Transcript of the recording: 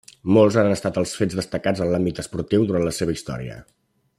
Molts han estat els fets destacats en l'àmbit esportiu durant la seva història.